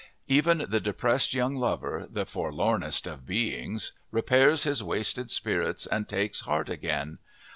Even the depressed young lover, the forlornest of beings, repairs his wasted spirits and takes heart again.